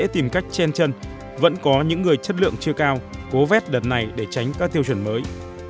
tìm cách chen chân vẫn có những người chất lượng chưa cao cố vết đợt này để tránh các tiêu chuẩn mới